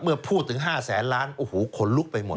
เมื่อพูดถึง๕แสนล้านโอ้โหขนลุกไปหมด